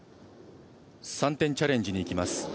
３点チャレンジにいきます。